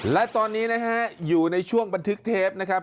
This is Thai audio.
และตอนนี้นะฮะอยู่ในช่วงบันทึกเทปนะครับ